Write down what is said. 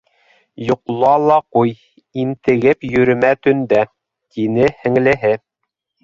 Йоҡла ла ҡуй, интегеп йөрөмә төндә, - тине һеңлеһе.